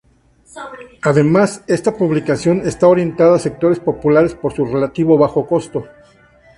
Además, esta publicación está orientada a sectores populares por su relativo bajo costo.